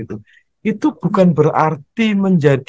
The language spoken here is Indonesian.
itu bukan berarti itu bukan berarti itu bukan berarti itu bukan berarti